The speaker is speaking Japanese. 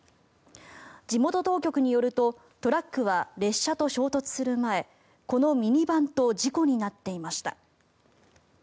地元当局によるとトラックは列車と衝突する前このミニバンと事故になっていました。